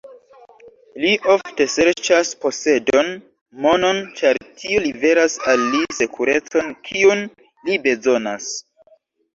Li ofte serĉas posedon, monon ĉar tio liveras al li sekurecon kiun li bezonas.